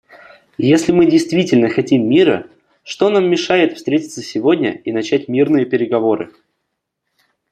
Если мы действительно хотим мира, что нам мешает встретиться сегодня и начать мирные переговоры?